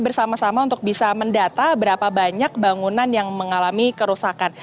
bersama sama untuk bisa mendata berapa banyak bangunan yang mengalami kerusakan